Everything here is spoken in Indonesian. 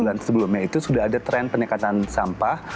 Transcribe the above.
dan sebelumnya itu sudah ada tren peningkatan sampah